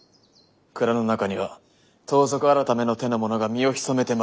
蔵の中には盗賊改の手の者が身を潜めて待ち伏せる。